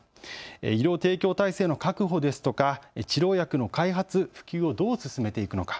医療提供体制の確保ですとか、治療薬の開発・普及をどう進めていくのか。